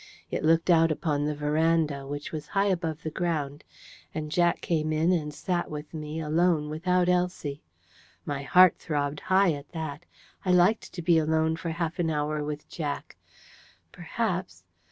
It looked out upon the verandah, which was high above the ground; and Jack came in and sat with me, alone without Elsie. My heart throbbed high at that: I liked to be alone for half an hour with Jack. Perhaps...